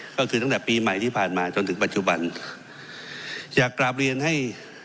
ก็คือตั้งแต่ปีใหม่ที่ผ่านมาจนถึงปัจจุบันอยากกราบเรียนให้